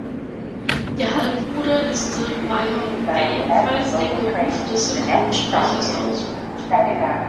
Ihr Halbbruder ist Dirk Meyer, der ebenfalls den Beruf des Synchronsprechers ausübt.